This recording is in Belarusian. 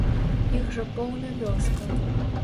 Іх жа поўна вёска.